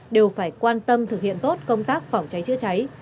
đều phải quan tâm thực hiện tốt công tác phòng cháy chữa cháy